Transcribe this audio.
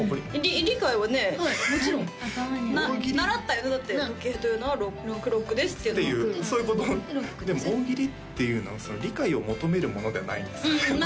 理解はねはいもちろん習ったよねだって時計というのはクロックですっていうのはそういうことでも大喜利っていうのは理解を求めるものではないんですね